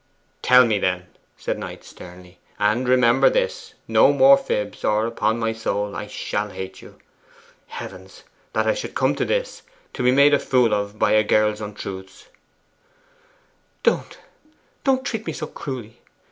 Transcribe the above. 'Tell me, then,' said Knight sternly. 'And remember this, no more fibs, or, upon my soul, I shall hate you. Heavens! that I should come to this, to be made a fool of by a girl's untruths ' 'Don't, don't treat me so cruelly!